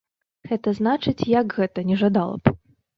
Гэта значыць, як гэта, не жадала б?